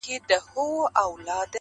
چي که مړ سوم زه به څرنګه یادېږم؟٫